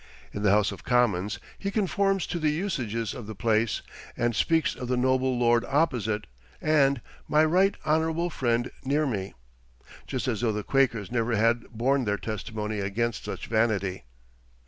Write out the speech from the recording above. In the House of Commons he conforms to the usages of the place, and speaks of "the noble lord opposite," and "my right honorable friend near me," just as though the Quakers never had borne their testimony against such vanity.